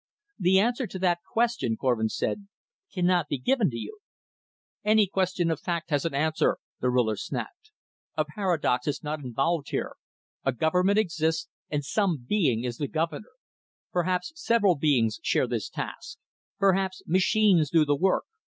"The answer to that question," Korvin said, "cannot be given to you." "Any question of fact has an answer," the Ruler snapped. "A paradox is not involved here; a government exists, and some being is the governor. Perhaps several beings share this task; perhaps machines do the work.